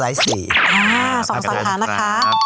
อ่าสองสาขานะครับ